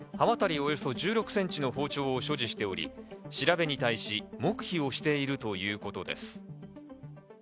およそ１６ｃｍの包丁を所持しており、調べに対し黙秘をしているということです。